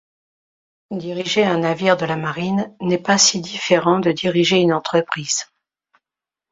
Diriger un navire de la marine n'est pas si différent de diriger une entreprise.